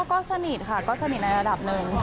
ก็สนิทค่ะก็สนิทในระดับหนึ่ง